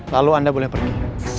lalu anda boleh pergi